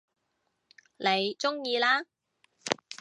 你鍾意啦